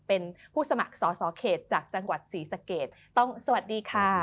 เป็นผู้สมัครสอสอเขตจากจังหวัดศรีสะเกดต้องสวัสดีค่ะ